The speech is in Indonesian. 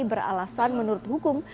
beralasan menurut hukum